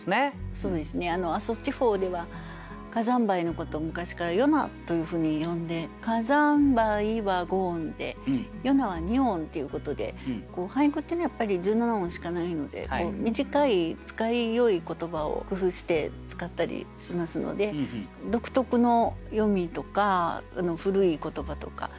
そうですね阿蘇地方では火山灰のことを昔から「よな」というふうに呼んで「かざんばい」は５音で「よな」は２音ということで俳句っていうのはやっぱり１７音しかないので短い使いよい言葉を工夫して使ったりしますので独特の読みとか古い言葉とか。